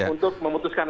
untuk memutuskan lagi